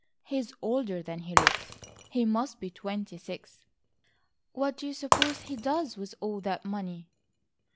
"He is older than he looks. He must be twenty six." "What do you suppose he does with all that money?"